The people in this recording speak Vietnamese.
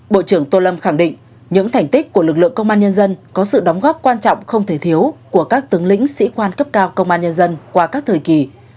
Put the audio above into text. bộ trưởng tô lâm khẳng định những thành tích của lực lượng công an nhân dân có sự đóng góp quan trọng không thể thiếu của các tướng lĩnh sĩ quan cấp cao công an nhân dân qua các thời kỳ